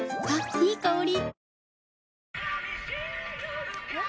いい香り。